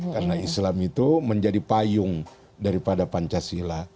karena islam itu menjadi payung daripada pancasila